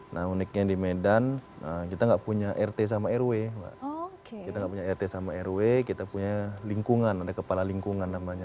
nah uniknya di medan kita tidak punya rt sama rw kita punya lingkungan ada kepala lingkungan namanya